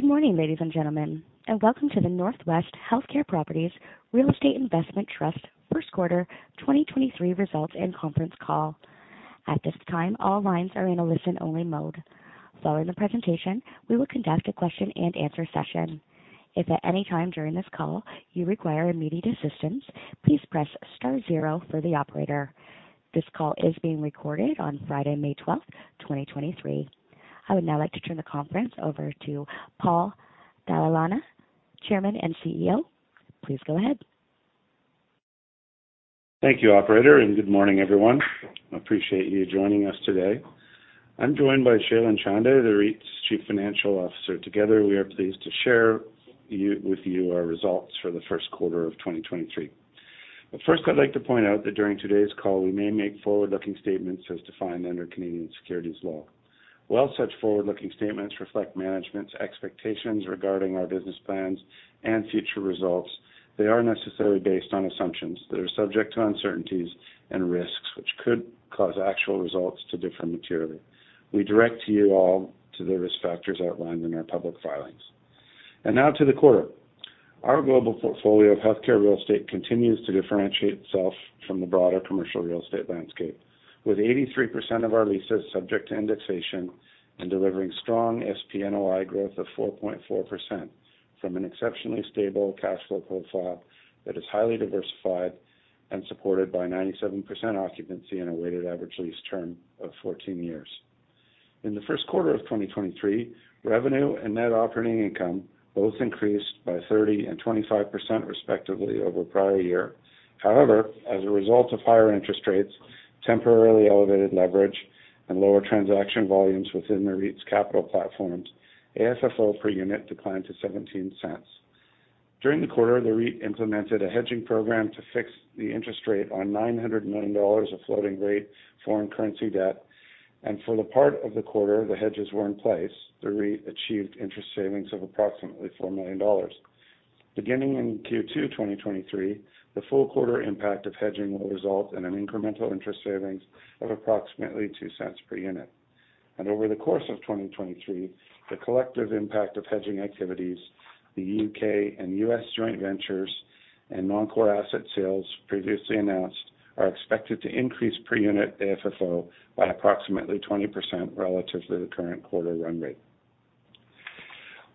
Good morning, ladies and gentlemen, welcome to the NorthWest Healthcare Properties Real Estate Investment Trust first quarter 2023 results and conference call. At this time, all lines are in a listen-only mode. Following the presentation, we will conduct a question-and-answer session. If at any time during this call you require immediate assistance, please press star zero for the operator. This call is being recorded on Friday, May 12, 2023. I would now like to turn the conference over to Paul Dalla Lana, Chairman and CEO. Please go ahead. Thank you, operator. Good morning, everyone. Appreciate you joining us today. I'm joined by Shailen Chanda, the REIT's Chief Financial Officer. Together, we are pleased to share with you our results for the first quarter of 2023. First, I'd like to point out that during today's call, we may make forward-looking statements as defined under Canadian securities law. While such forward-looking statements reflect management's expectations regarding our business plans and future results, they are necessarily based on assumptions that are subject to uncertainties and risks which could cause actual results to differ materially. We direct you all to the risk factors outlined in our public filings. Now to the quarter. Our global portfolio of healthcare real estate continues to differentiate itself from the broader commercial real estate landscape, with 83% of our leases subject to indexation and delivering strong SPNOI growth of 4.4% from an exceptionally stable cash flow profile that is highly diversified and supported by 97% occupancy and a weighted average lease term of 14 years. In the first quarter of 2023, revenue and NOI both increased by 30% and 25%, respectively, over prior year. As a result of higher interest rates, temporarily elevated leverage, and lower transaction volumes within the REIT's capital platforms, AFFO per unit declined to $0.17. During the quarter, the REIT implemented a hedging program to fix the interest rate on $900 million of floating rate foreign currency debt. For the part of the quarter the hedges were in place, the REIT achieved interest savings of approximately 4 million dollars. Beginning in Q2 2023, the full quarter impact of hedging will result in an incremental interest savings of approximately 0.02 per unit. Over the course of 2023, the collective impact of hedging activities, the U.K. and U.S. joint ventures, and non-core asset sales previously announced are expected to increase per unit AFFO by approximately 20% relative to the current quarter run rate.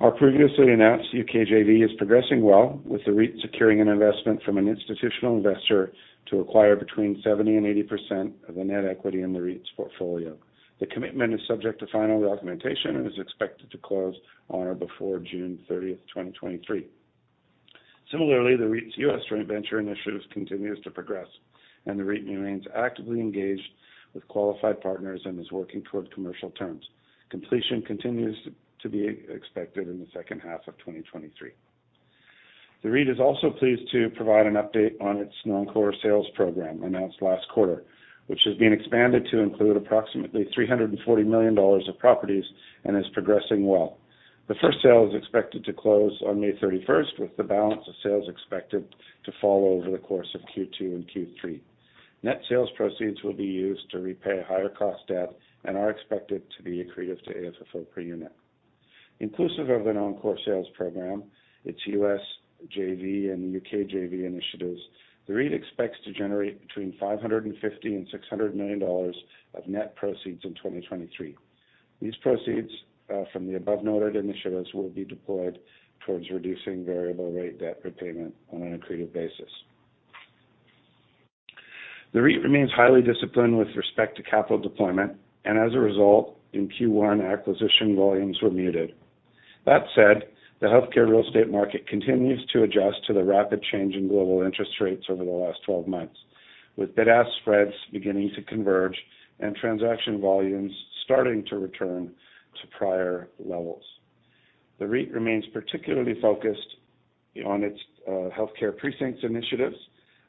Our previously announced U.K. JV is progressing well with the REIT securing an investment from an institutional investor to acquire between 70%-80% of the net equity in the REIT's portfolio. The commitment is subject to final documentation and is expected to close on or before June 30th, 2023. Similarly, the REIT's U.S. joint venture initiatives continues to progress, and the REIT remains actively engaged with qualified partners and is working towards commercial terms. Completion continues to be expected in the second half of 2023. The REIT is also pleased to provide an update on its non-core sales program announced last quarter, which has been expanded to include approximately 340 million dollars of properties and is progressing well. The first sale is expected to close on May 31st, with the balance of sales expected to follow over the course of Q2 and Q3. Net sales proceeds will be used to repay higher cost debt and are expected to be accretive to AFFO per unit. Inclusive of the non-core sales program, its U.S. JV and U.K. JV initiatives, the REIT expects to generate between 550 million and 600 million dollars of net proceeds in 2023. These proceeds from the above-noted initiatives will be deployed towards reducing variable rate debt repayment on an accretive basis. The REIT remains highly disciplined with respect to capital deployment, and as a result, in Q1, acquisition volumes were muted. That said, the healthcare real estate market continues to adjust to the rapid change in global interest rates over the last 12 months, with bid-ask spreads beginning to converge and transaction volumes starting to return to prior levels. The REIT remains particularly focused on its healthcare precincts initiatives,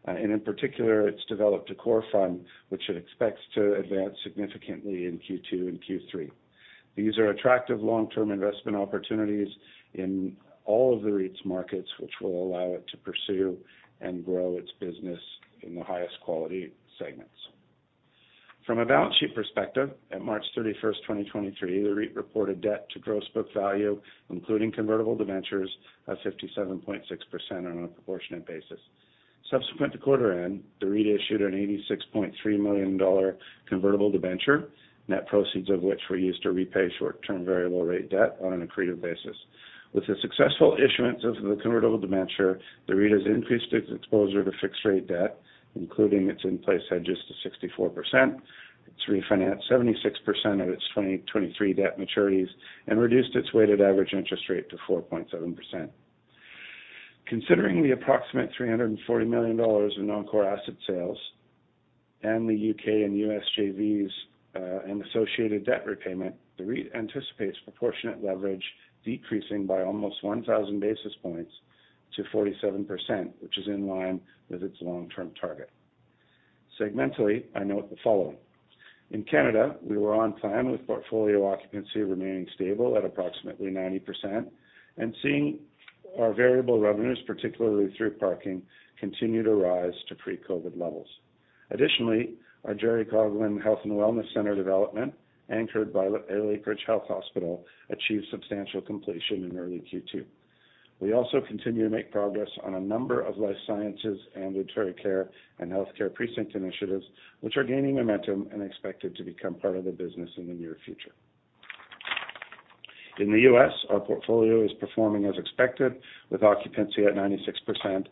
and in particular, it's developed a core fund which it expects to advance significantly in Q2 and Q3. These are attractive long-term investment opportunities in all of the REIT's markets, which will allow it to pursue and grow its business in the highest quality segments. From a balance sheet perspective, at March 31, 2023, the REIT reported debt to gross book value, including convertible debentures, of 57.6% on a proportionate basis. Subsequent to quarter end, the REIT issued a 86.3 million dollar convertible debenture, net proceeds of which were used to repay short-term variable rate debt on an accretive basis. With the successful issuance of the convertible debenture, the REIT has increased its exposure to fixed rate debt, including its in-place hedges to 64%. It's refinanced 76% of its 2023 debt maturities and reduced its weighted average interest rate to 4.7%. Considering the approximate $340 million in non-core asset sales and the U.K. and U.S. JVs and associated debt repayment, the REIT anticipates proportionate leverage decreasing by almost 1,000 basis points to 47%, which is in line with its long-term target. Segmentally, I note the following. In Canada, we were on plan with portfolio occupancy remaining stable at approximately 90% and seeing our variable revenues, particularly through parking, continue to rise to pre-COVID levels. Our Jerry Coughlan Health & Wellness Centre development, anchored by Lakeridge Health Hospital, achieved substantial completion in early Q2. We also continue to make progress on a number of life sciences, ambulatory care, and healthcare precinct initiatives, which are gaining momentum and expected to become part of the business in the near future. In the U.S., our portfolio is performing as expected, with occupancy at 96% and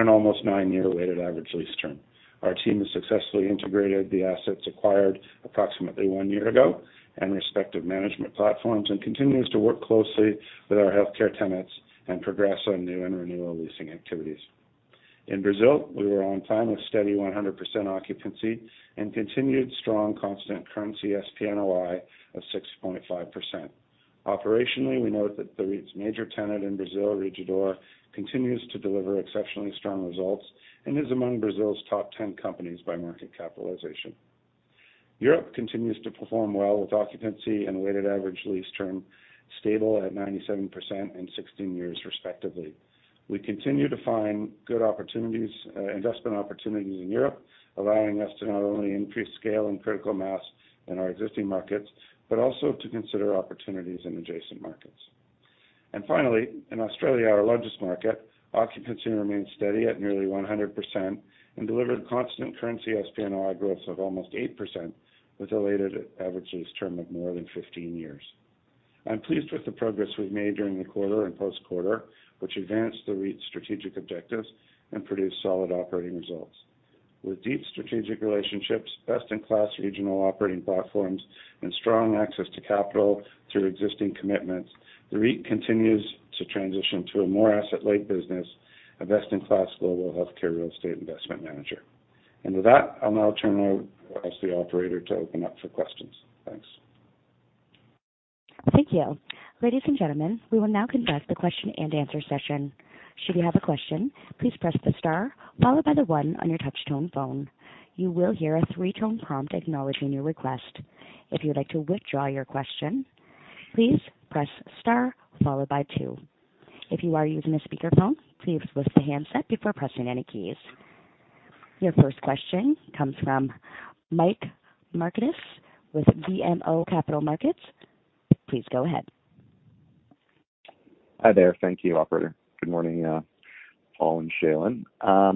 an almost 9-year weighted average lease term. Our team has successfully integrated the assets acquired approximately one year ago and respective management platforms, continues to work closely with our healthcare tenants and progress on new and renewal leasing activities. In Brazil, we were on time with steady 100% occupancy and continued strong constant currency SPNOI of 6.5%. Operationally, we note that the REIT's major tenant in Brazil, Rede D'Or São Luiz, continues to deliver exceptionally strong results and is among Brazil's top 10 companies by market capitalization. Europe continues to perform well, with occupancy and weighted average lease term stable at 97% and 16 years, respectively. We continue to find good opportunities, investment opportunities in Europe, allowing us to not only increase scale and critical mass in our existing markets, but also to consider opportunities in adjacent markets. Finally, in Australia, our largest market, occupancy remains steady at nearly 100% and delivered constant currency SPNOI growth of almost 8%, with a weighted average lease term of more than 15 years. I'm pleased with the progress we've made during the quarter and post-quarter, which advanced the REIT's strategic objectives and produced solid operating results. With deep strategic relationships, best-in-class regional operating platforms, and strong access to capital through existing commitments, the REIT continues to transition to a more asset-light business, a best-in-class global healthcare real estate investment manager. With that, I'll now ask the operator to open up for questions. Thanks. Thank you. Ladies and gentlemen, we will now conduct the question-and-answer session. Should you have a question, please press the star followed by the one on your touch-tone phone. You will hear a three-tone prompt acknowledging your request. If you'd like to withdraw your question, please press star followed by two. If you are using a speakerphone, please lift the handset before pressing any keys. Your first question comes from Michael Markidis with BMO Capital Markets. Please go ahead. Hi there. Thank you, operator. Good morning, Paul and Shailen. Hi.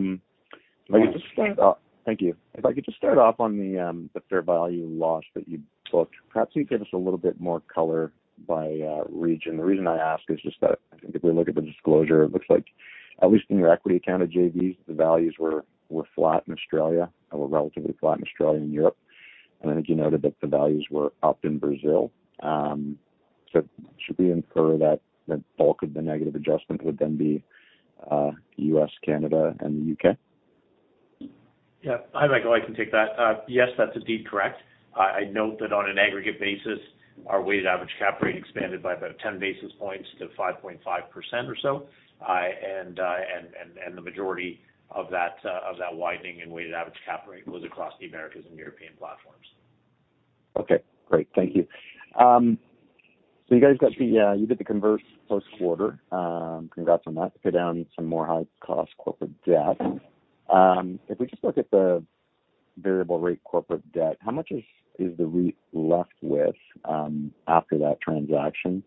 If I could just start off. Thank you. If I could just start off on the fair value loss that you booked. Perhaps you could give us a little bit more color by region. The reason I ask is just that I think if we look at the disclosure, it looks like at least in your equity count of JVs, the values were flat in Australia, or were relatively flat in Australia and Europe. I think you noted that the values were up in Brazil. Should we infer that the bulk of the negative adjustment would then be U.S., Canada and the U.K.? Yeah. Hi, Michael. I can take that. Yes, that's indeed correct. I'd note that on an aggregate basis, our weighted average cap rate expanded by about 10 basis points to 5.5% or so. The majority of that widening in weighted average cap rate was across the Americas and European platforms. Okay, great. Thank you. You guys got the, you did the convert first quarter. Congrats on that. You paid down some more high-cost corporate debt. If we just look at the variable rate corporate debt, how much is the REIT left with after that transaction?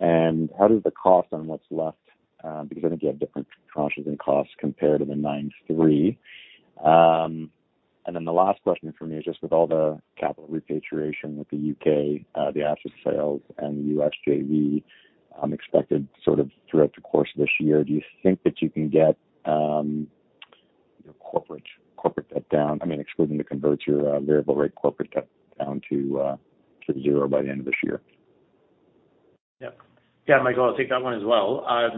How does the cost on what's left, because I think you have different tranches and costs compared to the nine three. The last question from me is just with all the capital repatriation with the U.K., the asset sales and the U.S. JV, expected sort of throughout the course of this year, do you think that you can get your corporate debt down, I mean, excluding the converter, variable rate corporate debt down to 0 by the end of this year? Yep. Yeah, Michael, I'll take that one as well. I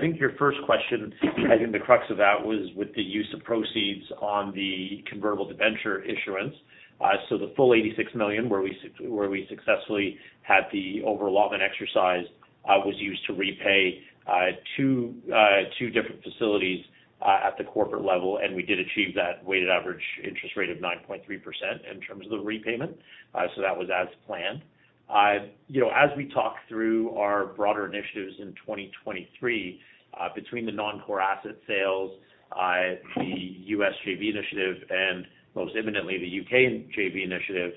think your first question, I think the crux of that was with the use of proceeds on the convertible debenture issuance. The full 86 million, where we successfully had the over allotment exercise, was used to repay two different facilities at the corporate level. We did achieve that weighted average interest rate of 9.3% in terms of the repayment. That was as planned. You know, as we talk through our broader initiatives in 2023, between the non-core asset sales, the U.S. JV initiative, and most imminently, the U.K. JV initiative,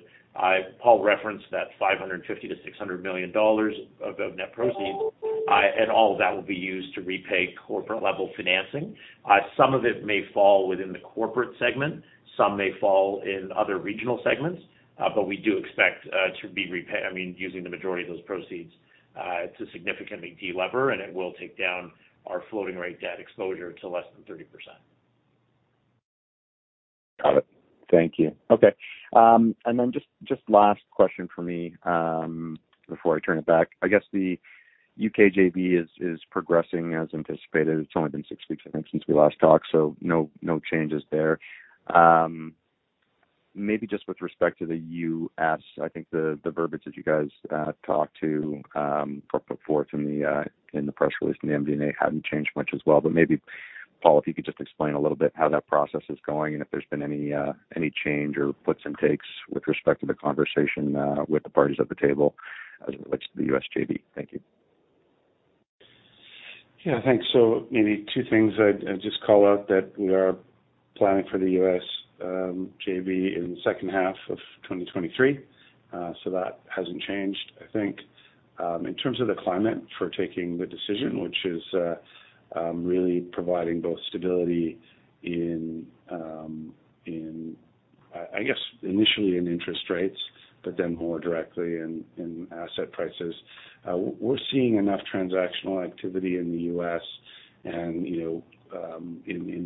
Paul referenced that $550 million-$600 million of net proceeds, all of that will be used to repay corporate-level financing. Some of it may fall within the corporate segment, some may fall in other regional segments, but we do expect, I mean, using the majority of those proceeds, to significantly de-lever, and it will take down our floating rate debt exposure to less than 30%. Got it. Thank you. Okay, just last question from me before I turn it back. I guess the U.K. JV is progressing as anticipated. It's only been six weeks, I think, since we last talked, so no changes there. Maybe just with respect to the U.S., I think the verbiage that you guys talked to, put forth in the press release in the MD&A hadn't changed much as well. Maybe, Paul, if you could just explain a little bit how that process is going, and if there's been any change or puts and takes with respect to the conversation with the parties at the table as it relates to the U.S. JV. Thank you. Yeah, I think so. Maybe two things I'd just call out that we are planning for the U.S. JV in second half of 2023. That hasn't changed. I think, in terms of the climate for taking the decision, which is really providing both stability in I guess initially in interest rates, more directly in asset prices. We're seeing enough transactional activity in the U.S. and, you know,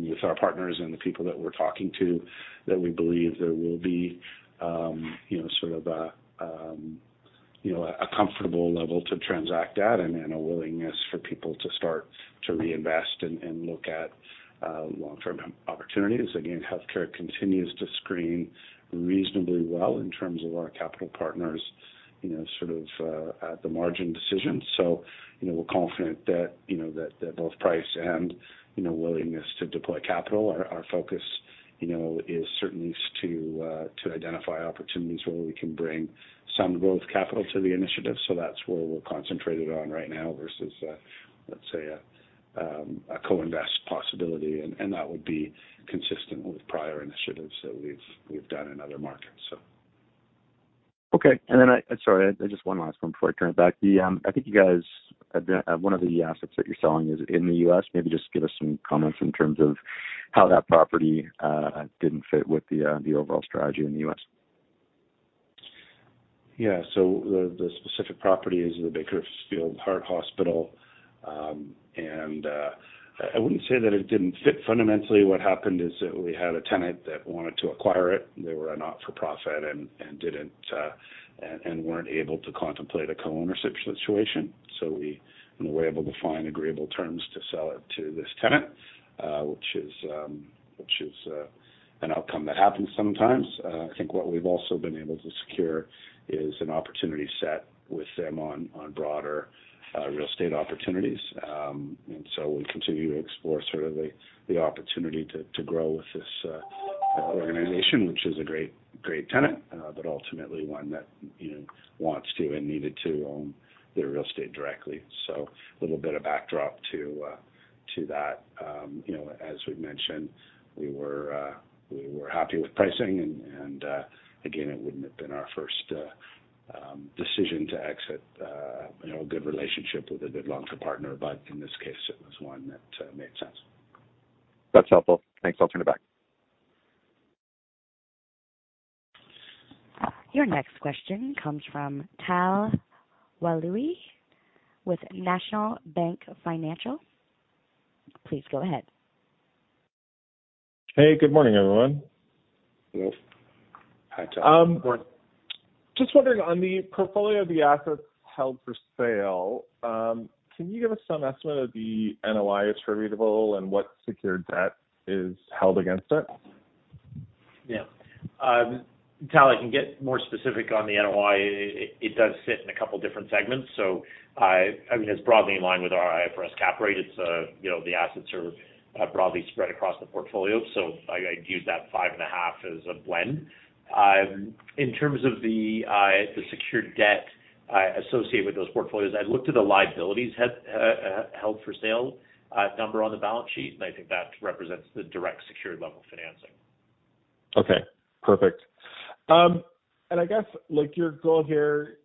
with our partners and the people that we're talking to that we believe there will be, you know, sort of a, you know, a comfortable level to transact at and a willingness for people to start to reinvest and look at long-term opportunities. Again, healthcare continues to screen reasonably well in terms of our capital partners, you know, sort of, at the margin decision. You know, we're confident that, you know, that both price and, you know, willingness to deploy capital. Our focus, you know, is certainly to identify opportunities where we can bring some growth capital to the initiative. That's where we're concentrated on right now versus, let's say a co-invest possibility. That would be consistent with prior initiatives that we've done in other markets, so. Okay. Sorry, I just one last one before I turn it back. I think you guys, one of the assets that you're selling is in the U.S. Maybe just give us some comments in terms of how that property didn't fit with the overall strategy in the U.S. Yeah. The specific property is the Bakersfield Heart Hospital. I wouldn't say that it didn't fit. Fundamentally, what happened is that we had a tenant that wanted to acquire it. They were a not-for-profit and didn't and weren't able to contemplate a co-ownership situation. We were able to find agreeable terms to sell it to this tenant, which is an outcome that happens sometimes. I think what we've also been able to secure is an opportunity set with them on broader real estate opportunities. We continue to explore sort of the opportunity to grow with this organization, which is a great tenant, but ultimately one that, you know, wants to and needed to own their real estate directly. A little bit of backdrop to that. You know, as we've mentioned, we were happy with pricing and, again, it wouldn't have been our first decision to exit, you know, a good relationship with a good long-term partner. In this case, it was one that made sense. That's helpful. Thanks. I'll turn it back. Your next question comes from Tal Woolley with National Bank Financial. Please go ahead. Hey, good morning, everyone. Yes. Hi, Tal. Good morning. Just wondering, on the portfolio of the assets held for sale, can you give us some estimate of the NOI attributable and what secured debt is held against it? Yeah. Tal, I can get more specific on the NOI. It does fit in a couple of different segments. I mean, it's broadly in line with our IFRS cap rate. It's, you know, the assets are broadly spread across the portfolio. I'd use that 5.5 as a blend. In terms of the secured debt associated with those portfolios, I'd look to the liabilities held for sale number on the balance sheet, and I think that represents the direct secured level financing. Okay, perfect. I guess, like your goal here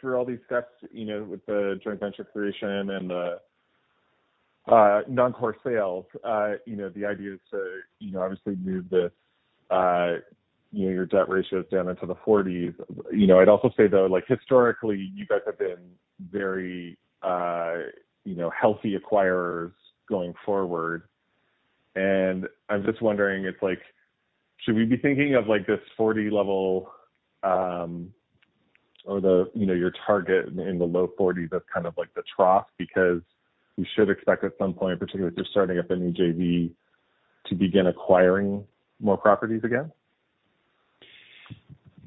through all these steps, you know, with the joint venture creation and the non-core sales, you know, the idea is to, you know, obviously move the, you know, your debt ratios down into the 40s. You know, I'd also say, though, like historically, you guys have been very, you know, healthy acquirers going forward. I'm just wondering, it's like, should we be thinking of like this 40 level, or the, you know, your target in the low 40s as kind of like the trough because we should expect at some point, particularly if you're starting up a new JV, to begin acquiring more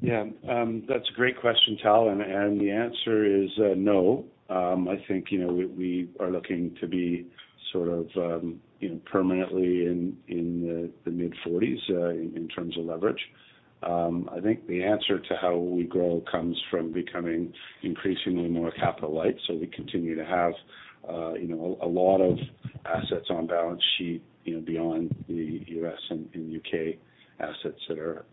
properties again? Yeah. That's a great question, Tal, and the answer is, no. I think, you know, we are looking to be sort of, you know, permanently in the mid-forties, in terms of leverage. I think the answer to how we grow comes from becoming increasingly more capital light. We continue to have, you know, a lot of assets on balance sheet, you know, beyond the U.S. and U.K. assets that are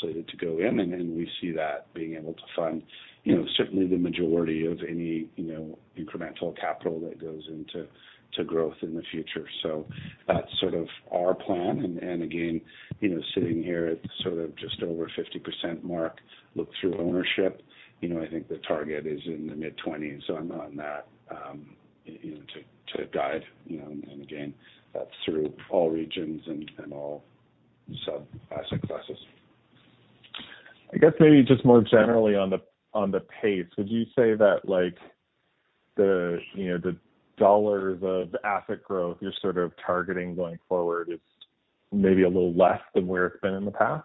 slated to go in. We see that being able to fund, you know, certainly the majority of any, you know, incremental capital that goes into to growth in the future. That's sort of our plan. Again, you know, sitting here at sort of just over 50% mark, look-through ownership, you know, I think the target is in the mid-20s on that, you know, guide, you know. Again, that's through all regions and all sub successes. I guess maybe just more generally on the, on the pace, would you say that like the, you know, the dollars of asset growth you're sort of targeting going forward is maybe a little less than where it's been in the past?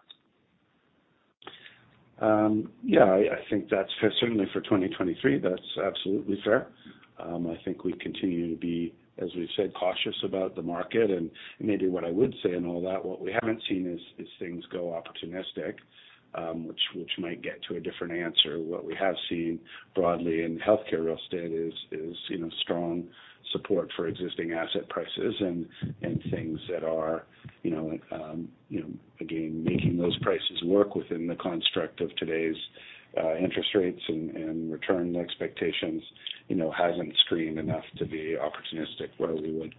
Yeah, I think that's certainly for 2023, that's absolutely fair. I think we continue to be, as we've said, cautious about the market. Maybe what I would say in all that, what we haven't seen is things go opportunistic, which might get to a different answer. What we have seen broadly in healthcare real estate is, you know, strong support for existing asset prices and things that are, you know, again, making those prices work within the construct of today's interest rates and return expectations, you know, hasn't screened enough to be opportunistic where we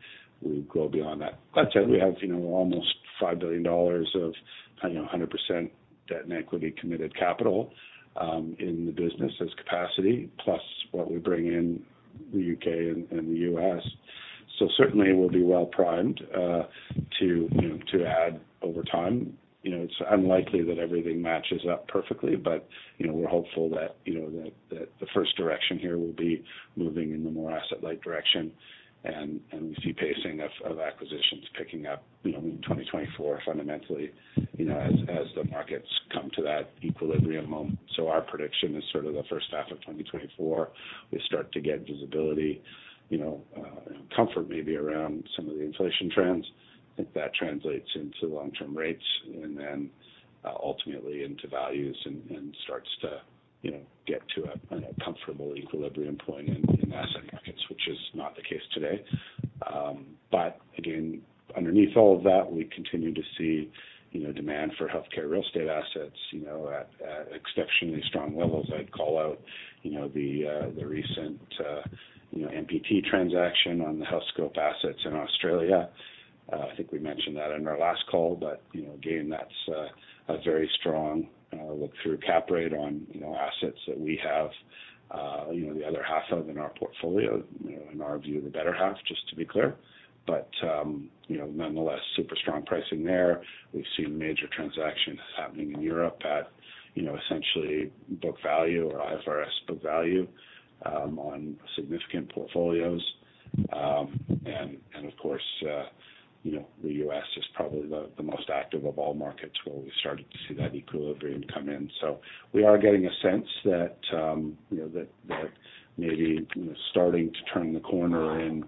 would go beyond that. That said, we have, you know, almost 5 billion dollars of, I don't know, 100% debt and equity committed capital in the business as capacity, plus what we bring in the U.K. and the U.S. Certainly we'll be well primed to, you know, to add over time. You know, it's unlikely that everything matches up perfectly, but, you know, we're hopeful that, you know, that the first direction here will be moving in the more asset-light direction. We see pacing of acquisitions picking up, you know, in 2024 fundamentally, you know, as the markets come to that equilibrium home. Our prediction is sort of the first half of 2024, we start to get visibility, you know, comfort maybe around some of the inflation trends. I think that translates into long-term rates and then ultimately into values and starts to, you know, get to a comfortable equilibrium point in asset markets, which is not the case today. Again, underneath all of that, we continue to see, you know, demand for healthcare real estate assets, you know, at exceptionally strong levels. I'd call out, you know, the recent, you know, MPT transaction on the Healthscope assets in Australia. I think we mentioned that in our last call. Again, that's a very strong look-through cap rate on, you know, assets that we have, you know, the other half of in our portfolio, you know, in our view, the better half, just to be clear. Nonetheless, you know, super strong pricing there. We've seen major transactions happening in Europe at, you know, essentially book value or IFRS book value on significant portfolios. Of course, you know, the U.S. is probably the most active of all markets where we started to see that equilibrium come in. We are getting a sense that, you know, that maybe, you know, starting to turn the corner in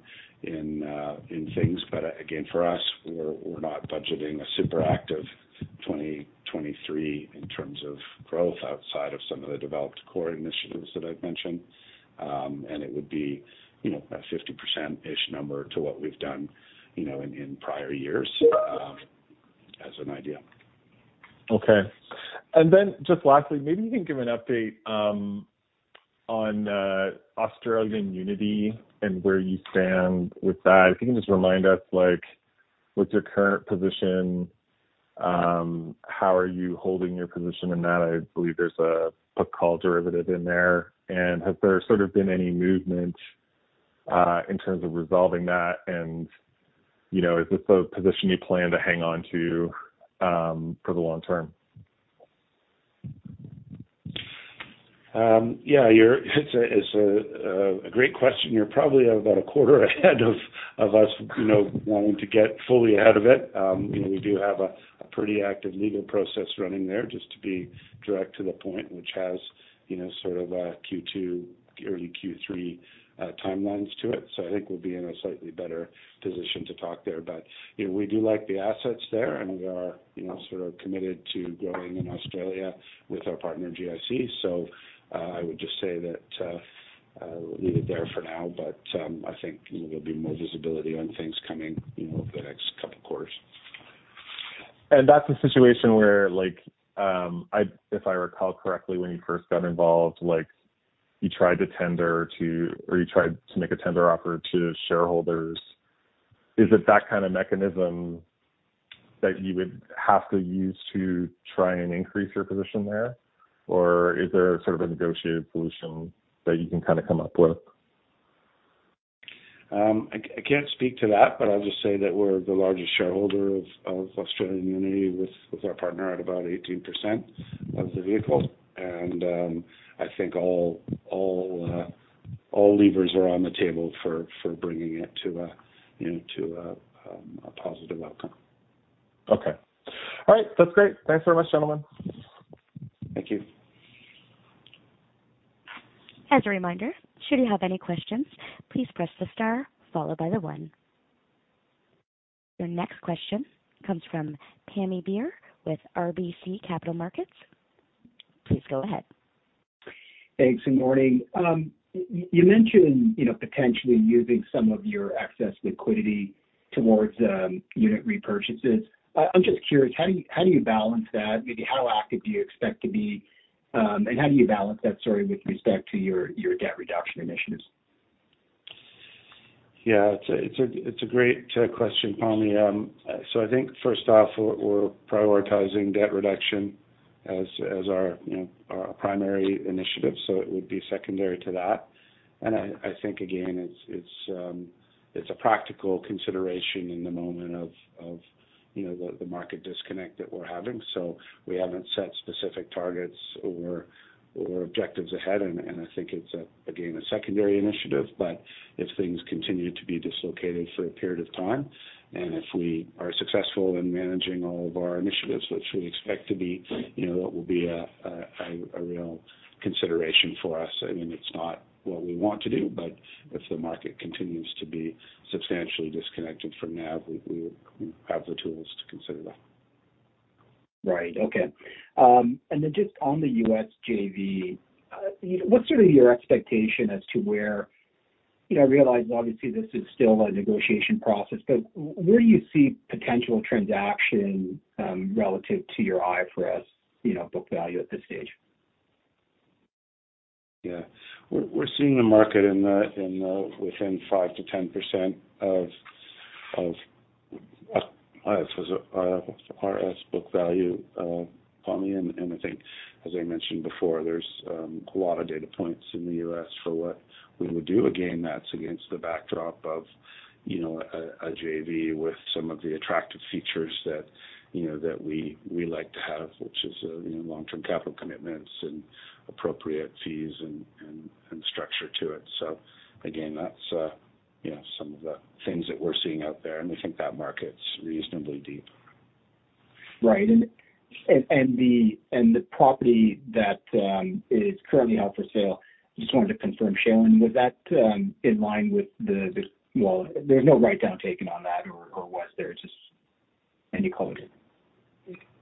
things. Again, for us, we're not budgeting a super active 2023 in terms of growth outside of some of the developed core initiatives that I've mentioned. It would be, you know, a 50%-ish number to what we've done, you know, in prior years as an idea. Okay. Just lastly, maybe you can give an update, on Australian Unity and where you stand with that. If you can just remind us, like, what's your current position? How are you holding your position in that? I believe there's a put call derivative in there. Has there sort of been any movement, in terms of resolving that? You know, is this a position you plan to hang on to, for the long term? Yeah, it's a great question. You're probably about a quarter ahead of us, you know, wanting to get fully ahead of it. You know, we do have a pretty active legal process running there, just to be direct to the point, which has, you know, sort of a Q2, early Q3 timelines to it. I think we'll be in a slightly better position to talk there. You know, we do like the assets there, and we are, you know, sort of committed to growing in Australia with our partner, GIC. I would just say that we'll leave it there for now, but I think, you know, there'll be more visibility on things coming, you know, over the next couple quarters. That's a situation where, like, if I recall correctly, when you first got involved, like you tried to make a tender offer to shareholders. Is it that kind of mechanism that you would have to use to try and increase your position there? Is there sort of a negotiated solution that you can kind of come up with? I can't speak to that, but I'll just say that we're the largest shareholder of Australian Unity with our partner at about 18% of the vehicle. I think all levers are on the table for bringing it to a, you know, to a positive outcome. Okay. All right. That's great. Thanks very much, gentlemen. Thank you. As a reminder, should you have any questions, please press the star followed by the one. Your next question comes from Pammi Bir with RBC Capital Markets. Please go ahead. Thanks. Morning. You mentioned, you know, potentially using some of your excess liquidity towards unit repurchases. I'm just curious, how do you balance that? Maybe how active do you expect to be? How do you balance that sort of with respect to your debt reduction initiatives? Yeah, it's a great question, Pammi. I think first off, we're prioritizing debt reduction as our, you know, our primary initiative, so it would be secondary to that. I think again, it's a practical consideration in the moment of, you know, the market disconnect that we're having. We haven't set specific targets or objectives ahead, and I think it's again, a secondary initiative. If things continue to be dislocated for a period of time, and if we are successful in managing all of our initiatives, which we expect to be. Right... you know, it will be a real consideration for us. I mean, it's not what we want to do, but if the market continues to be substantially disconnected from NAV, we have the tools to consider that. Right. Okay. Then just on the U.S. JV, you know, what's sort of your expectation as to where... You know, I realize obviously this is still a negotiation process, but where do you see potential transaction, relative to your IFRS, you know, book value at this stage? Yeah. We're seeing the market in the, within 5%-10% of, I suppose, RS book value, Paul, I mean, I think as I mentioned before, there's a lot of data points in the U.S. for what we would do. Again, that's against the backdrop of, you know, a JV with some of the attractive features that, you know, that we like to have, which is, you know, long-term capital commitments and appropriate fees and structure to it. Again, that's, you know, some of the things that we're seeing out there, and we think that market's reasonably deep. Right. The property that is currently out for sale, just wanted to confirm, Shailen, was that in line with the. Well, there's no write down taken on that, or was there just any comment?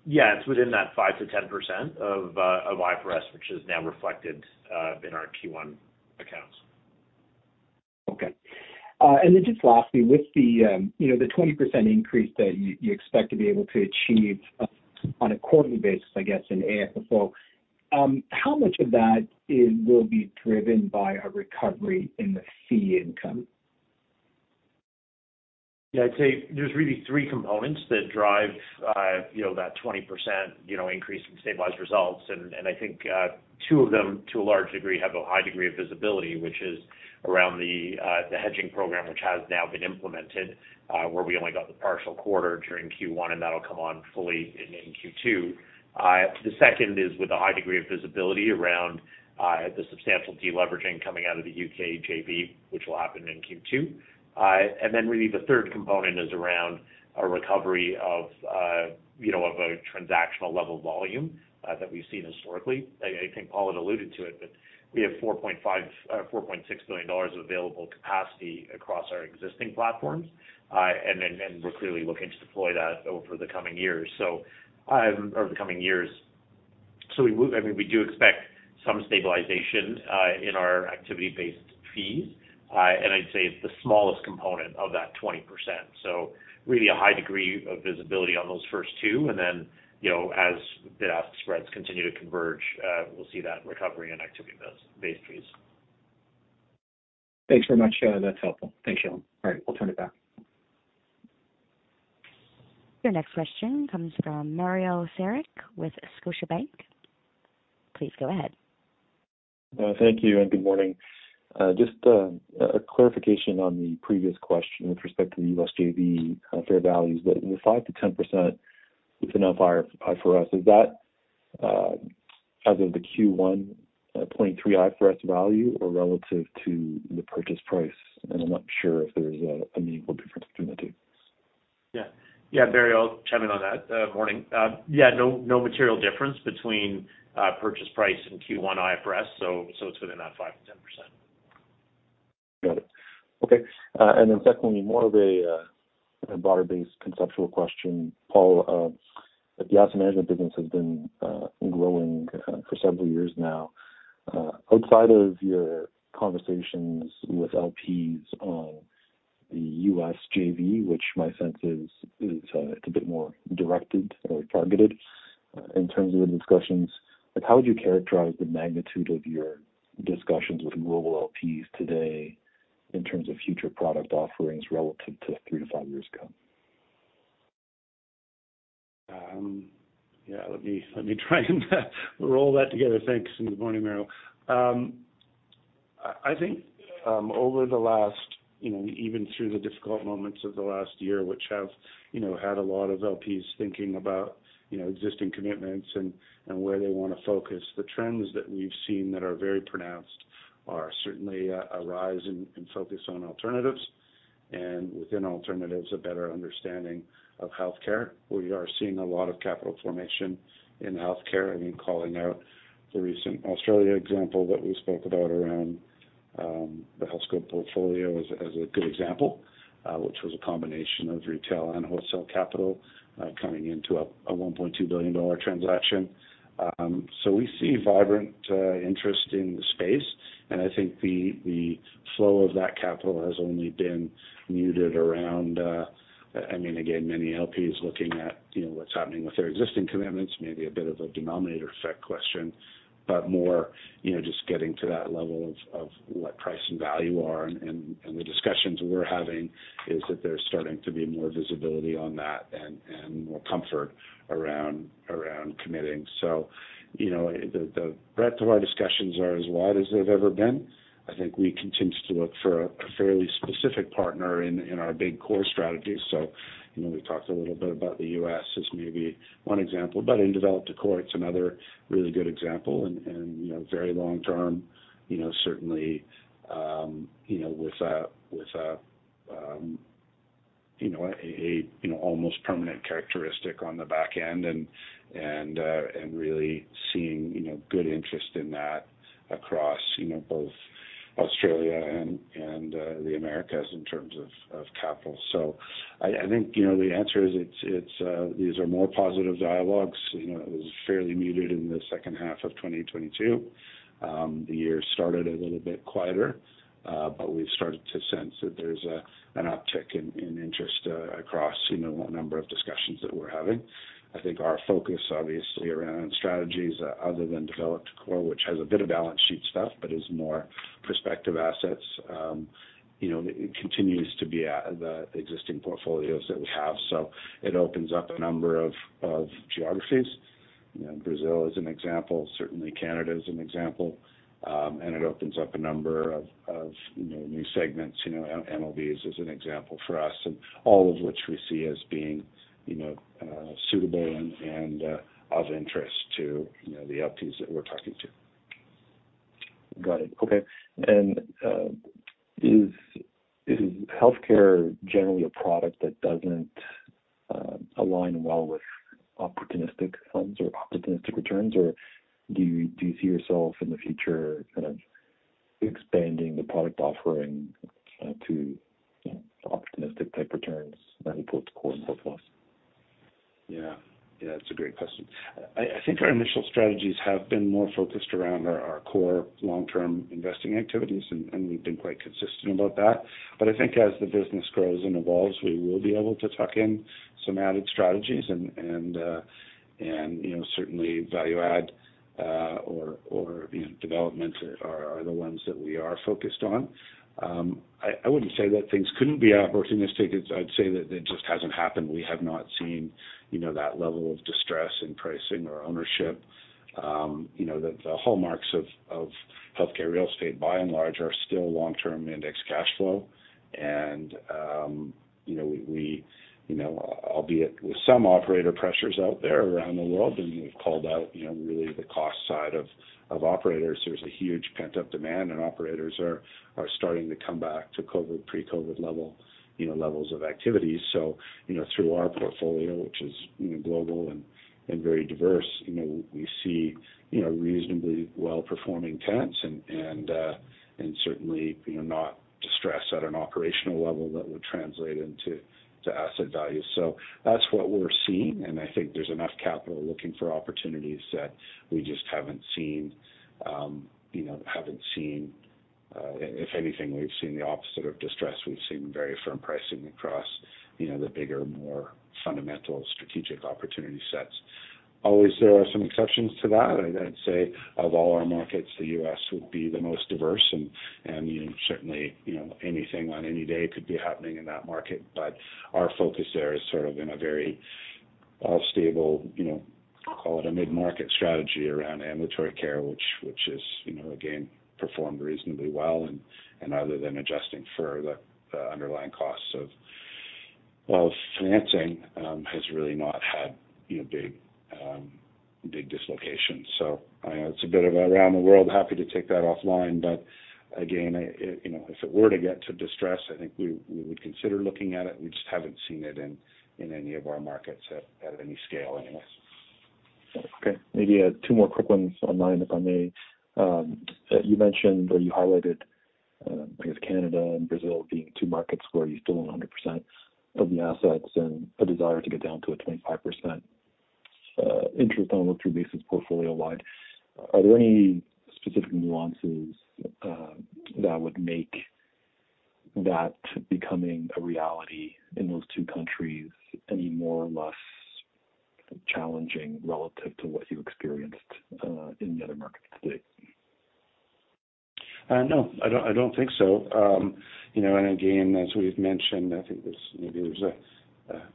Yeah. It's within that 5%-10% of IFRS, which is now reflected in our Q1 accounts. Okay. Then just lastly, with the, you know, the 20% increase that you expect to be able to achieve on a quarterly basis, I guess, in AFFO, how much of that will be driven by a recovery in the fee income? Yeah, I'd say there's really three components that drive, you know, that 20%, you know, increase in stabilized results. I think, two of them, to a large degree, have a high degree of visibility, which is around the hedging program which has now been implemented, where we only got the partial quarter during Q1, and that'll come on fully in Q2. The second is with a high degree of visibility around the substantial deleveraging coming out of the U.K. JV, which will happen in Q2. Then really the third component is around a recovery of, you know, of a transactional level volume that we've seen historically. I think Paul had alluded to it, but we have 4.6 billion dollars of available capacity across our existing platforms. Then we're clearly looking to deploy that over the coming years. Over the coming years. We, I mean, we do expect some stabilization in our activity-based fees. I'd say it's the smallest component of that 20%. Really a high degree of visibility on those first two. Then, you know, as bid-ask spreads continue to converge, we'll see that recovery in activity-based fees. Thanks very much. That's helpful. Thanks, Shailen. All right, we'll turn it back. Your next question comes from Mario Saric with Scotiabank. Please go ahead. Thank you and good morning. Just a clarification on the previous question with respect to the U.S. JV fair values. The 5%-10% within our IFRS, is that as of the Q1 0.3 IFRS value or relative to the purchase price? I'm not sure if there's a meaningful difference between the two. Yeah. Yeah, Mario, I'll chime in on that. Morning. Yeah, no material difference between purchase price and Q1 IFRS. It's within that 5%-10%. Got it. Okay. Secondly, more of a broader-based conceptual question. Paul, the asset management business has been growing for several years now. Outside of your conversations with LPs on the U.S JV, which my sense is it's a bit more directed or targeted in terms of the discussions, like, how would you characterize the magnitude of your discussions with global LPs today in terms of future product offerings relative to three to five years ago? Yeah, let me, let me try and roll that together. Thanks. Good morning, Mario Saric. I think, over the last, you know, even through the difficult moments of the last year, which have, you know, had a lot of LPs thinking about, you know, existing commitments and, where they wanna focus. The trends that we've seen that are very pronounced are certainly a rise in focus on alternatives, within alternatives, a better understanding of healthcare. We are seeing a lot of capital formation in healthcare. I mean, calling out the recent Australia example that we spoke about around the Healthscope portfolio as a good example, which was a combination of retail and wholesale capital, coming into a 1.2 billion dollar transaction. We see vibrant interest in the space, and I think the flow of that capital has only been muted around, I mean, again, many LPs looking at, you know, what's happening with their existing commitments, maybe a bit of a denominator effect question, but more, you know, just getting to that level of what price and value are. The discussions we're having is that there's starting to be more visibility on that and more comfort around committing. You know, the breadth of our discussions are as wide as they've ever been. I think we continue to look for a fairly specific partner in our big core strategy. You know, we've talked a little bit about the U.S. as maybe one example, but in developed core it's another really good example and, you know, very long term, you know, certainly, you know, with, You know, a, you know, almost permanent characteristic on the back end and, really seeing, you know, good interest in that across, you know, both Australia and, the Americas in terms of capital. I think, you know, the answer is it's, these are more positive dialogues. You know, it was fairly muted in the second half of 2022. The year started a little bit quieter, but we've started to sense that there's a, an uptick in interest, across, you know, a number of discussions that we're having. I think our focus obviously around strategies other than developed core, which has a bit of balance sheet stuff, but is more prospective assets, you know, it continues to be the existing portfolios that we have. It opens up a number of geographies. You know, Brazil is an example. Certainly Canada is an example. It opens up a number of, you know, new segments. You know, AMLV is an example for us, and all of which we see as being, you know, suitable and, of interest to, you know, the LPs that we're talking to. Got it. Okay. Is healthcare generally a product that doesn't align well with opportunistic funds or opportunistic returns, or do you see yourself in the future kind of expanding the product offering, to, you know, opportunistic type returns when it puts core and core plus? Yeah, it's a great question. I think our core long-term investing activities and we've been quite consistent about that. I think as the business grows and evolves, we will be able to tuck in some added strategies and, you know, certainly value add or, you know, developments are the ones that we are focused on. I wouldn't say that things couldn't be opportunistic. I'd say that it just hasn't happened. We have not seen, you know, that level of distress in pricing or ownership. You know, the hallmarks of healthcare real estate by and large are still long-term index cash flow. You know, we, you know, albeit with some operator pressures out there around the world, and we've called out, you know, really the cost side of operators. There's a huge pent-up demand and operators are starting to come back to COVID, pre-COVID level, you know, levels of activity. You know, through our portfolio, which is, you know, global and very diverse, you know, we see, you know, reasonably well-performing tenants and certainly, you know, not distressed at an operational level that would translate into asset value. That's what we're seeing and I think there's enough capital looking for opportunities that we just haven't seen, you know, haven't seen. If anything, we've seen the opposite of distress. We've seen very firm pricing across, you know, the bigger, more fundamental strategic opportunity sets. Always there are some exceptions to that. I'd say of all our markets, the U.S. would be the most diverse and, you know, certainly, you know, anything on any day could be happening in that market. Our focus there is sort of in a very all stable, you know, call it a mid-market strategy around ambulatory care, which is, you know, again, performed reasonably well. Other than adjusting for the underlying costs of, well, financing, has really not had, you know, big, big dislocations. I know it's a bit of around the world. Happy to take that offline. Again, it, you know, if it were to get to distress, I think we would consider looking at it. We just haven't seen it in any of our markets at any scale anyways. Okay. Maybe two more quick ones online, if I may. You mentioned or you highlighted, I guess Canada and Brazil being two markets where you still own 100% of the assets and a desire to get down to a 25% interest owner through basis portfolio wide. Are there any specific nuances that would make that becoming a reality in those two countries any more or less challenging relative to what you experienced in the other markets to date? No, I don't, I don't think so. You know, and again, as we've mentioned, I think there's maybe there's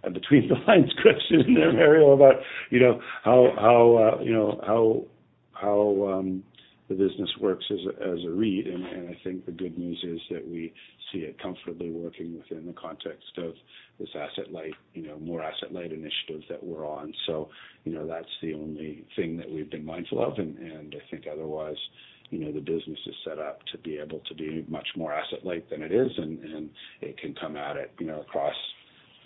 a between the lines question there, Mario, about, you know, how, you know, how the business works as a REIT. I think the good news is that we see it comfortably working within the context of this asset light, you know, more asset light initiatives that we're on. You know, that's the only thing that we've been mindful of. I think otherwise, you know, the business is set up to be able to be much more asset light than it is, and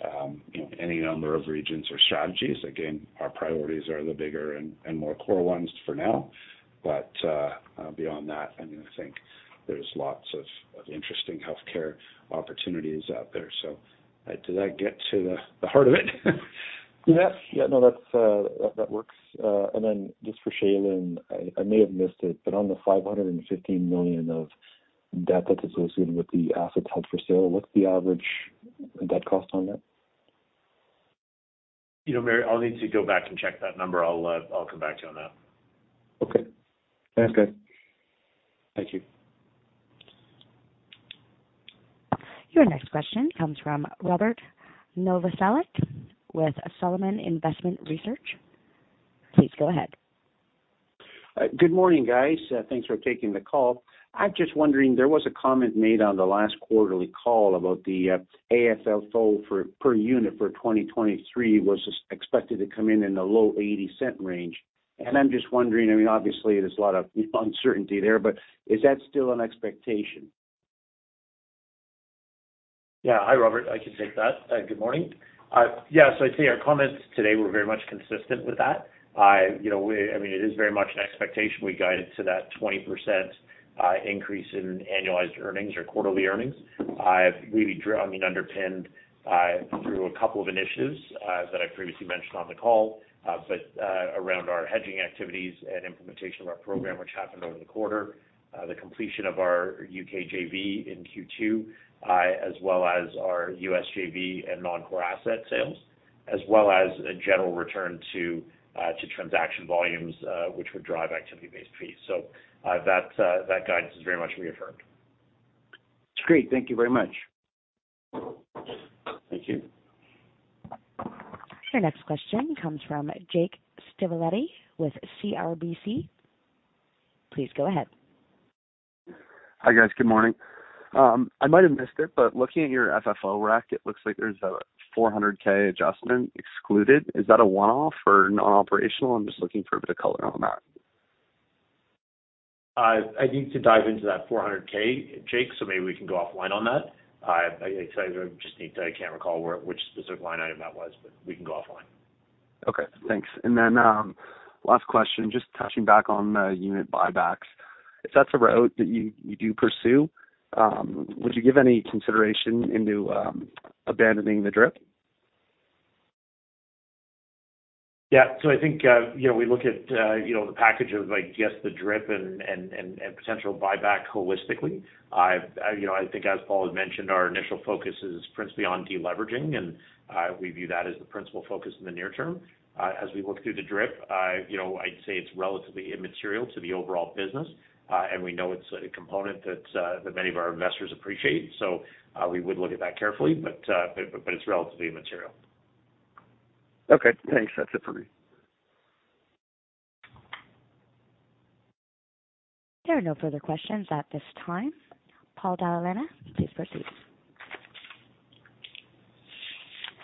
it can come at it, you know, across, you know, any number of regions or strategies. Our priorities are the bigger and more core ones for now. Beyond that, I mean, I think there's lots of interesting healthcare opportunities out there. Did I get to the heart of it? Yes. Yeah. No, that's that works. Just for Shailen Chanda, I may have missed it, but on the 515 million of debt that's associated with the assets held for sale, what's the average debt cost on that? You know, Mario, I'll need to go back and check that number. I'll come back to you on that. Okay. Sounds good. Thank you. Your next question comes from Robert Novakovic with Veritas Investment Research. Please go ahead. Good morning, guys. Thanks for taking the call. I'm just wondering, there was a comment made on the last quarterly call about the AFFO per unit for 2023 was expected to come in in the low $0.80 range. I'm just wondering, I mean, obviously there's a lot of, you know, uncertainty there, but is that still an expectation? Yeah. Hi, Robert. I can take that. Good morning. Yeah, I'd say our comments today were very much consistent with that. I, you know, I mean, it is very much an expectation. We guided to that 20% increase in annualized earnings or quarterly earnings. I've really I mean, underpinned through a couple of initiatives that I previously mentioned on the call. Around our hedging activities and implementation of our program, which happened over the quarter, the completion of our U.K. JV in Q2, as well as our U.S. JV and non-core asset sales, as well as a general return to transaction volumes, which would drive activity-based fees. That guidance is very much reaffirmed. That's great. Thank you very much. Thank you. Your next question comes from Jake Civalierwith CIBC. Please go ahead. Hi, guys. Good morning. I might have missed it, but looking at your FFO rack, it looks like there's a 400K adjustment excluded. Is that a one-off or non-operational? I'm just looking for a bit of color on that. I'd need to dive into that 400K, Jake, so maybe we can go offline on that. I can't recall which specific line item that was, but we can go offline. Okay, thanks. Then, last question, just touching back on the unit buybacks. If that's a route that you do pursue, would you give any consideration into abandoning the DRIP? I think, you know, we look at, you know, the package of, I guess, the DRIP and potential buyback holistically. You know, I think as Paul has mentioned, our initial focus is principally on deleveraging, and we view that as the principal focus in the near term. As we look through the DRIP, I, you know, I'd say it's relatively immaterial to the overall business, and we know it's a component that many of our investors appreciate. We would look at that carefully, but it's relatively immaterial. Okay, thanks. That's it for me. There are no further questions at this time. Paul Dalla Lana, please proceed.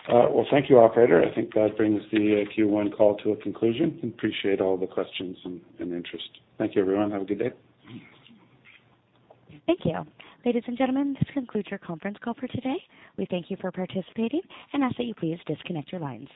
Well, thank you, operator. I think that brings the Q1 call to a conclusion. Appreciate all the questions and interest. Thank you, everyone. Have a good day. Thank you. Ladies and gentlemen, this concludes your conference call for today. We thank you for participating and ask that you please disconnect your lines.